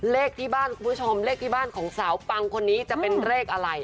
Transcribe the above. เลขที่บ้านคุณผู้ชมเลขที่บ้านของสาวปังคนนี้จะเป็นเลขอะไร